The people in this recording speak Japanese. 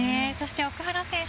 奥原選手